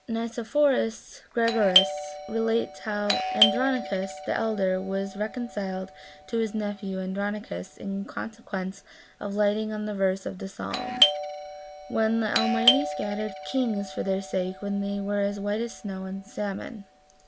Nicephorus Gregoras relates how Andronicus the Elder was reconciled to his nephew Andronicus in consequence of lighting on the verse of the Psalm (Ixviii. 14), "When the Almighty scattered kings for their sake, then were they as white as snow in Salmon."